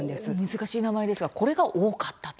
難しい名前ですがこれが多かったと。